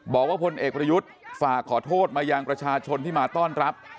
บอกว่าพลเอกประยุทธ์ฝากขอโทษมายังประชาชนที่มาต้อนรับ